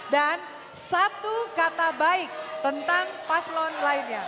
dan satu kata baik tentang paslon lainnya